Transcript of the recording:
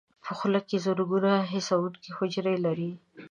په خوله کې زرګونه حسونکي حجرې لري.